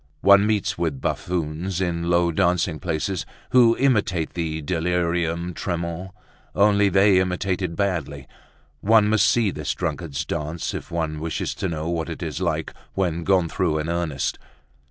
One meets with buffoons in low dancing places who imitate the delirium tremens, only they imitate it badly. One must see this drunkard's dance if one wishes to know what it is like when gone through in earnest.